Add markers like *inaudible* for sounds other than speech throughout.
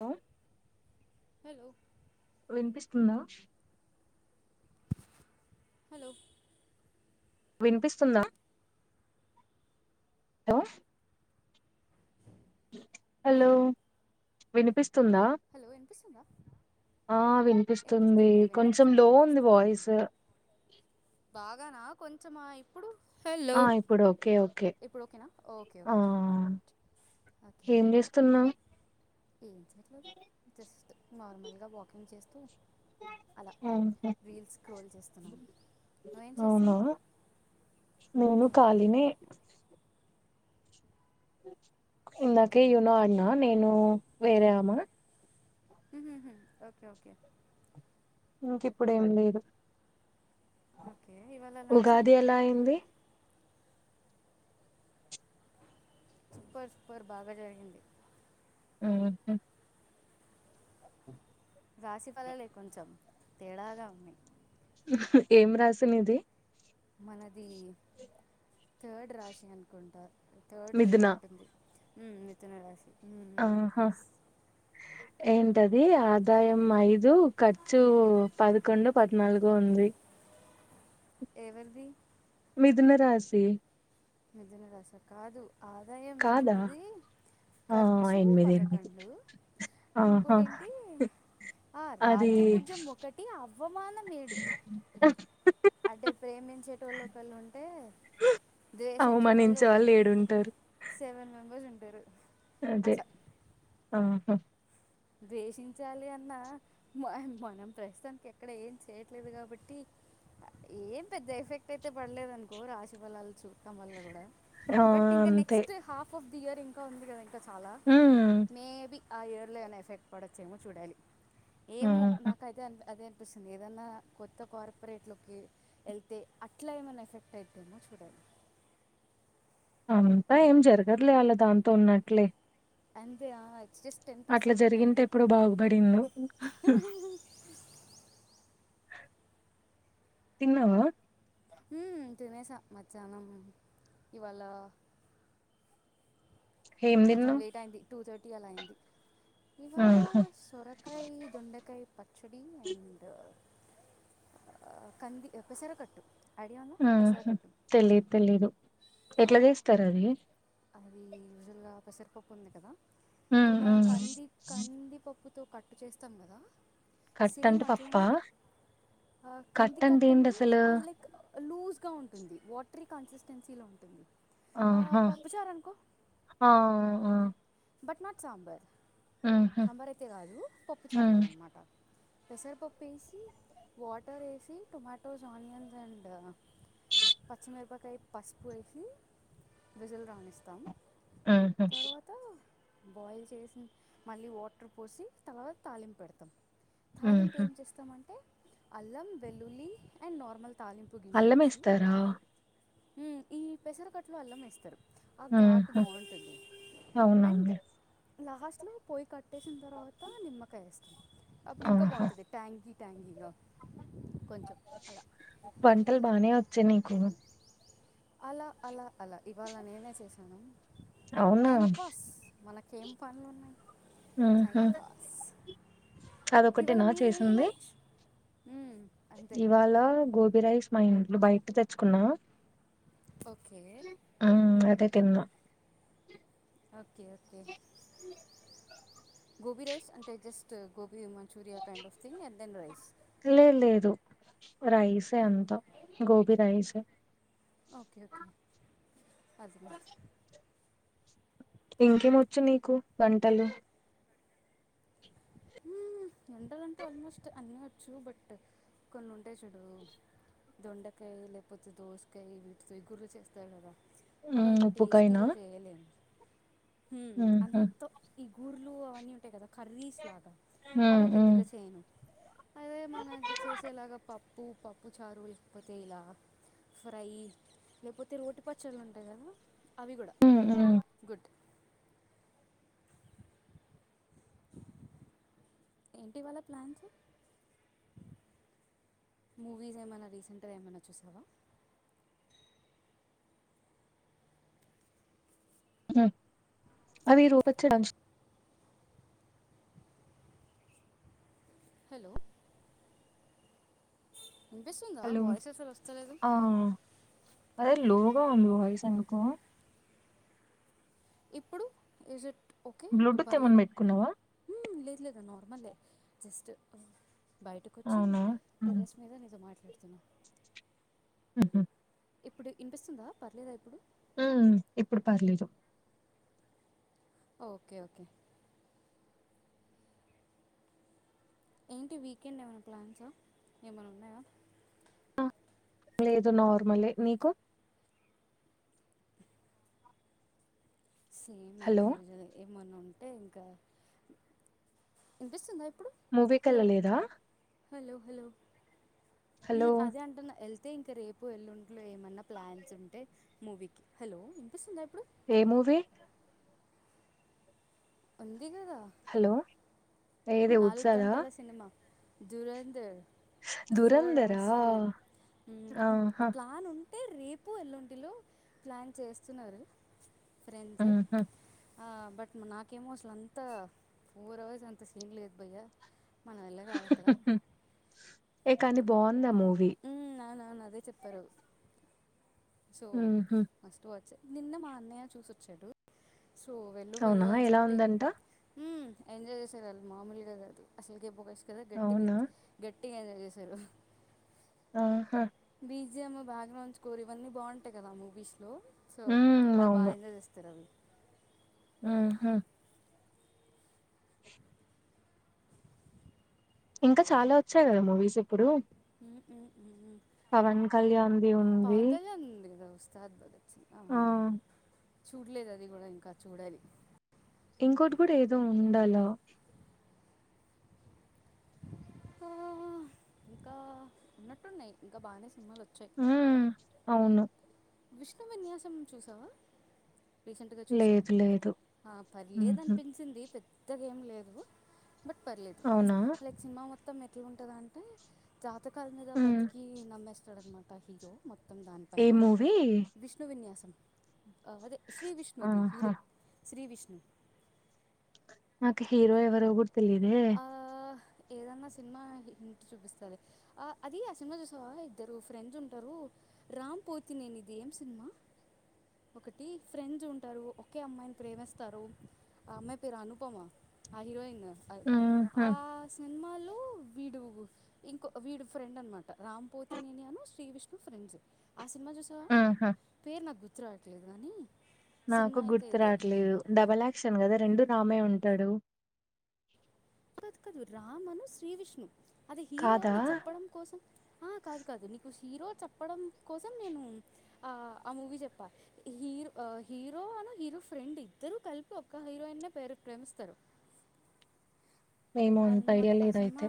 ఆ హలో వినిపిస్తుందా హలో వినిపిస్తుందా హలో హలో వినిపిస్ తుంద హలో వినిపిస్తుందా ఆ వినిపిస్తుంది కొంచెం వినిపిస్తుంది లో ఉంది వినిపిస్తుంది వాయిస్ కొంచం ఆ ఇప్పుడు హలో ఆ ఇప్పుడు ఓకే ఓకే ఇప్పుడు ఓకేనా ఓకే ఆ ఓకే ఆల్రైట్ ఏం చేస్తున్నావ్ ఉమ్ చెయ్యట్లె జస్ట్ నార్మల్గా వాకింగ్ చేస్తు ఉమ్మ్ స్క్రోల్ చేస్తున్నాను నువ్వేం అవునా చేస్తున్నావు నేను కాలినే *unintelligible* ఇందాకే ఓకే యునో ఆడినా నేను వేరే ఆమ ఉహుహు ఓకే ఓకే ఇంక ఇప్పుడు ఏం లేదు ఓకే ఇవ్వాలా లంచ్ ఉగాది ఏంటి ఎలా అయింది సూపర్ సూపర్ బాగా జరిగింది మ్ హు *unintelligible* రాశి ఫలాలే కొంచెం తేడాగా ఉన్నయ్ ఏం రాసినిది మనది థర్డ్ రాశి అనుకుంటా థర్డది ఏదో మిథున ఉంటుంది ఉమ్ మిథున రాశి ఆహా ఎస్ ఏంటది ఆదాయం ఐదు ఖర్చు పదకొండో పద్నాలుగో ఉంది ఎవర్ది మిథున రాశి మిథున రాశా కాదు ఆదాయం కాదా ఎనిమిది ఆ ఖర్చు ఎనిమిది ఎనిమిది పదకొండు ఆహా ఇంకొటి ఏంటి ఆ అది రాజ్యభూజ్యం ఒకటి అవ్ వమానం ఏడు అదే ప్రేమించేటోలు ఒక్కలు ఉంటే ద్వేషించేటోళ్ళు అవమానించే వాళ్ళు ఏడుంటారు హ్ మెంబెర్స్ ఉంటరు అదే ఆహా ద్వేషించాలి అన్న మ మనం ప్రస్తుతానికి ఎక్కడ ఏం చేయట్లేదు కాబట్టి ఏం పెద్ద ఎఫెక్ట్ అయితే పడలేద అనుకో రాశి ఫలాలు చూడటం వల్ల కూడా ఆ బట్ ఇంక అంతే నెక్స్ట హాఫ్ ఆఫ్ ఇయర్ ఇంకా ఉంది కదా ఇం కా చాలా um maybe ah early enough రేప్ పడొచ్చేమో చూడాలి ఏమో ఆహా నాకైతే అన్ అదే పిస్తుంది ఏదన్నా కొత్త కార్పొరేట్లోకి వెళ్తే అట్లా ఏమ్మన్న ఎఫెక్ట్ అయితుందా చూడాలి అంతా ఏం జరగద్లే అలా దాంతో ఉన్నట్లే అంతే ఆ అట్లా జరిగింటే ఎప్పుడో బాగుపడిందు తిన్నా వా ఉ తినేసా మధ్యాహ్నం ఇవ్వాళా ఏం కొంచెం తిన్నావ్ లేట్ అయింది టూ థర్టీ అలా అయ్యింది ఇవాళ ఆహా సొరకాయ దొండకాయ ప చేడి అండ్ ఆ కంది పెసరకట్టు ఐడియా ఉందా ఆ హ పెసరకట్టు తెలీద్ తెలీదు ఎట్లా చేస్తర్ రండి అది యూజువల్గా పెసరిపప్పు ఉంది కదా ఉమ్ ఇప్పుడు మనం ఉమ్ కంది కందిపప్పు తో కట్టు చేస్తాం కదా కట్ సేమ్ అంటే పప్పా అట్లనే కట్ కంది అంటే ఏంటి కట్టంటే అసలు అది లైక్ లూజ్గా ఉంటుంది వా బట్రీ కన్సిస్టెన్సీలో ఉంటుంది ఆ, ఆహా పప్పుచారు అనుకో హ ఆ అ బట్ నాట్ సాంబర్ ఉహు సాంబార్ అయితే కాదు పప్పు చార్ ఉమ్ లాగానమాట పెసరపప్పు వేసి వాటర్ వేసి టొమాటోస్ ఆనియన్స్ అండ్ పచ్చిమిరపకాయ పసుపు వేసి విజిల్ రాణిస్తాం ఉహు తరువాత బాయిల్ చేసి మళ్ళీ వాటర్ పోసి తర్వాత తాలింపు పెడతాం థాలింపు ఉహు ఏం చేస్తామంటే అల్లం వెల్లులి అండ్ నార్మల్ అల్లమేస్తారా మ్మ్ ఈ పెసరకట్లు అల్ల మేస్తారు ఆ ఘాటు బాగుంటది అవ్న్లే లాస్ట్ లో పోయ్ కట్ కట్టేసిన తర్వాత నిమ్మకాయ్ వేస్త్ అప్పుడు ఇంకా ఆహా బాగుంటది ట్యాంకి థ్యాంగీగా పంటల్ బానే శెనికూలు అలా అలా అలా ఇవాళ నేనే చేశా అవునా మనకేం పన్లున్నాయి ఉహు టైంపాస్ అదొకటేనా చేసింది అంతే ఇవాళ గోబి రైస్ మా ఇంట్లో బయట తెచ్చుకున్నా ఓకే ఆ అదే తిన్న ఓకే ఓకే గోబీ రైస్ అంటే జస్ట్ గోబీ మన్ Manchuria kind of thing and then rice లే లేదు రైసే అంత గోబీ రైసే ఓకే ఓకే అది *inaudible* ఇంకేం వచ్చు నీకు వంటలు హ్మ్మ్ వంటలంటే ఆల్మోస్ట్ అన్నీ వచ్చు బట్ కొన్ని ఉంటాయి చూడు దొండకాయ్ లేకపోతే దోసకాయ్ వీటితో ఇగుర్లు చేస్తారు కదా ఉమ్ అవంతా ఉప్పుకాయనా టేస్టీగా చేయలేను హ్మ్మ్ ఉహు అంతో ఇగుర్లు అవన్నీ ఉంటాయి కదా కర్రీ ఉమ్ అవి ఉమ్ పెద్దగా చేయను అదే మన చేసేలాగా పప్పు, పప్పు చారు లేకపోతే ఇలా ఫ్రై లేకపోతే రోటి పచ్చళ్ళు ఉంటాయి కదా అవి కూడా ఉమ్ ఉమ్ గుడ్ ఏంటి ఇవాళ ప్లాన్స్ మూవీస్ ఏమైనా రీసెంట్గా ఏమైనా చూసావా ఊ అవి రూప *unintelligible* హలో వినిపిస్తుందా దంచుతాలు వాయిస్ అసలు వస్తలేదు ఆ అదే లోగా ఉంద వాయిస్ అంతా ఇప్పుడు ఈజ్ ఇట్ ఓకే ఇప్పుడు బ్లూటూత్ ఏమన్నా పర్లేదా పెట్టుకున్నావా హుమ్ లేద్ లేదు నార్మలే జస్ట్ బయటకొచ్చి అవునా ఉమ్, టెర్రెస్ మీద నీతో మాట్లాడుత ఇత్తిన ఉహు ఇప్పుడు వినిపిస్తుందా పర్లేదా ఇప్పుడు ము ఇప్పుడు పర్లేదు ఓకే ఓకే ఏంటి వీకెండ్ ఏమైనా ప్లాన్సా ఏమైనా ఉన్నాయా లేదు నార్మలే నీకు స హలో ఏమన్నా ఉంటే ఇంకా ఇన్పిస్తుంద ఈ మూవీ కెళ్ళలేదా హలో హలో మ్ అదే అంటున్న వెల్ అయితే ఇంకా రేపు వెళ్ళుంట్లో ఏమన్నా ప్లాన్స్ ఉంటే మూవీకి హలో వినిపిస్తుందా ఇప్పుడు ఏ మూవీ అ దిగుద హలో ఏది నాలుగు ఉత్సాదా గంటల సినిమా దురందర్ ఫోర్ దురంధరా అవర్స్ ఫిలిం ఆహా ప్లాన్ ఉం అంటే రేపు ఎల్లుంటిలో ప్లాన్ చేస్తున్నారు ఆహా ఆ బట్ నాకేమో అసలు అంతా ఫోర్ అవర్స్ అంత ఏం లేదు బయ్య మన వల్ల కాదు అక్కడ ఏ కాని బావుంది ఆ మూవీ. నానానా అదే చెప్పారు. సో ఉహు మస్ట్ వాచె నిన్న మా అన్నయ్య చూసొచ్చాడు. సో వెళ్ళు వెళ్ళు అవునా అని ఎలా చెప్పి ఉందంట హ్ ఎంజాయ్ చేశారు ఆల్లు మామూలుగా కాదు అసలు కే *inaudible* కదా గట్టిగా అవునా గట్టి టిగా ఎంజాయ్ చేశారు. ఆహా బీజిఎమ్ బ్యాక్ గ్రౌండ్ స్కోర్ ఇవన్నీ బావుంటయి కదా మూవీస్లో. సో ఉమ్ అది బాఎంజాయ్ చేస్తారు ఆల్లు. ఆహా ఇంకా చాలా వచ్చాయి కదా మూవీస్ ఇప్పుడు. హుహుహ్ పవన్ కళ్యాణ్ ది ఉంది. కళ్యాణ్ ఉంది కదా ఉస్తాద్ బగత్ చి ఆహు ఆ చూడలేదు అది కూడా ఇంకా చూడాలి. ఇంకోటి కూడా ఏదో ఉండాల. ఇంకా ఇంకా ఉన్నట్టున్నయి ఇంకా బానే సి హ్మ్ అవును. విష్ణు విన్యాసం చూసావా. రీసెంట్ గా చూసా లేదు లేదు పర్లేదు ఆ ఊహూ అనిపించింది. పెద్ద గెం లేదు. బట్ పర్లేదు అవునా లైక్ సినిమా మొ త్తం ఎట్లా ఉంటదంటే జా తకాల మీద హ్మ్ బతికి నమ్మెస్తాడు అనమాట. త హీరో మొత్తం దానిపైన. అవి న్యాసం. అదే శ్రీ విష్ణుది ఆహా హీరో శ్రీ విష్ హ్ నాకు హీరో ఎవరో కూడ తెలీదే. ఏదన్నా సినిమా హింట్ చూపిస్తలే. అది ఆ సినిమా చూసావా ఇద్దరు ఫ్రెండ్స్ ఉంటరు రామ్ పోతినేని ది ఏం సినిమా ఒకటి ఫ్రెండ్స్ ఉంటరు ఒకే అమ్మాయిని ప్రేమిస్తారు ఆ అమ్మాయి పేరు అనుపమా ఆ హీరోయిన్. ఊహూ ఆ సినిమాలో వీడు ఇంకో వీడు ఫ్రెండ్ అనమాట రామ్ పోతి నేని ఉన్ను శ్రీ విష్ణు ఫ్రెండ్స్. ఆ సినిమా చూసావా ఊహూ పేరు నాకు గుర్తు రావట్లేదు కానీ. నాకు సినిమా అయితే గుర్తు ఇదే రావట్లేదు డబల్ యాక్షన్ కదా. రెండు రామే ఉంటాడు. కాదు కాదు రామను శ్రీ విష్ణు. అది హీరో కాదా నీకు చెప్పడం కోసం ఆ కాదు కాదు నీకు హీరో చెప్పడం కోసం నేను ఆ ఆ మూవీ చెప్పా హీరో హీరో అను హీరో ఫ్రెండ్ ఇద్దరు కలిపి ఒక్క హీరోయిన్నే ప్రేరు ప్రేమిస్తరు. ఏమో అంత ఐడియా లేదు అయితే.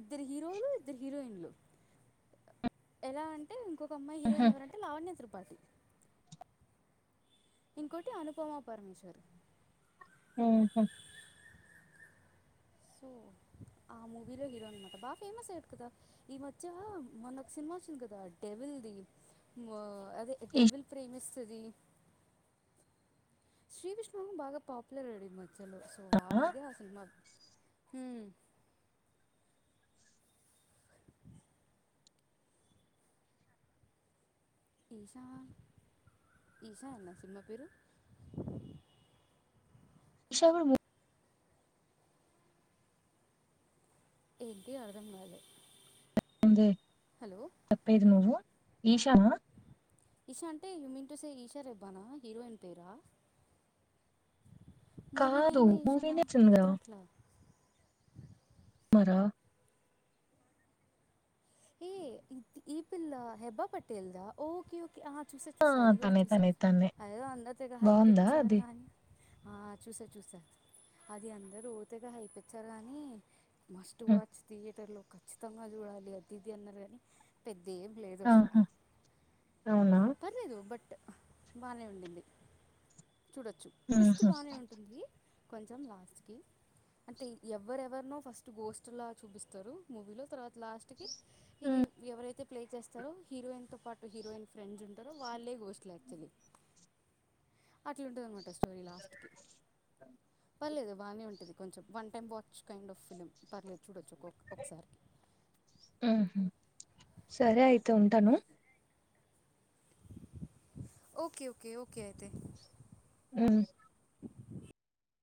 ఇద్దరు హీరోలు, ఇద్దరు హీరోయిన్లు ఎలా అంటే ఇంకొక అమ్మాయి ఊహూ హీరోయిన్ ఎవరంటే లావణ్య త్రి పాటి. ఇంకోటి అనుపమా పరమేశ్వర్. ఆహా సో ఆ మూవీలో హీరో అనమాట బాఫేమస్ అయ్యాడు కదా. ఈ మధ్యా మొన్నా ఒక సినిమా వచ్చింది కదా డెవిల్దీ ఆ అదే డెవిల్ ప్రేమిస్ సుధీర్ శ్రీ విష్ణు బాగా పాపులర్ అయ్యాడు ఈ మ ధ్యలో సో ఈషా వాడిదే ఆ సినిమా హ్ ఈశా ఈశా యేనా సినిమా పేరు ఈశ కూడ మూ ఏంటి అర్థం కాలే. ఎందె హలో చెప్పేది నువ్వు ఈశ నా ఈషా అంటే you mean to say Isha రెబ్బానా హీరోయిన్ పేరా. మూవీ కాదు నేమే ఈశానా మూవీనే వచ్చింది గుర్తు కదా రాట్లా. మరా ఏ ఇ ఈ పిల్లా హెబ్బా పటేల్ దా ఓకే ఓ ఆ చూసా ఆ చూసా అది కూడా తనే చూసా తనే తనే అది ఎదో తెగ బావుందా హైపిచ్చారు అది కాని ఆ చూసా చూసా అది అందరు ఓ తెగా హైపిచ్చారు కాని మస్ట్ హ్మ్ వాచ్ థియేటర్ లో ఖచ్చితంగా చూడాలి అది. ఇది అన్నరు కాని పె ఆహా అవునా. పర్లేేదు బట్ బాగానే ఉండింది. చూడొచ్చు ట్విస్ట్ ఊహూ బానే ఉంటుంది. కొంచెం లాస్ట్ కి అంటే ఎవరెవరినో ఫస్ట్ గోస్ట్లా చూపిస్తారు మూవీలో తర్వాత లాస్ట్ కి ఈ హ్మ్ ఎవరైతే ప్లే చేస్తారో హీరోయిన్తోపాటు హీరోయిన్ ఫ్రెండ్స్ ఉంటారో వాళ్ళే గోస్ట్లు యాక్చువల్లీ. అట్ల ఉంటుందన్నమా స్టోరి లాస్ట్కి. పర్లేదు బానే ఉంటది కొంచెం one time watch kind of film పర్లేదు చూడొచ్చు. ఒక్కొక్క ఒకసారికి ఉహుమ్ సరే అయితే ఉంటాను. ఓకే ఓకే ఓకే అయితే. ఉమ్